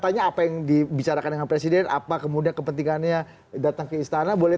tanya apa yang dibicarakan dengan presiden apa kemudian kepentingannya datang ke istana boleh